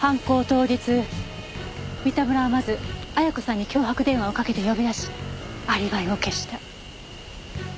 当日三田村はまず亜矢子さんに脅迫電話をかけて呼び出しアリバイを消した。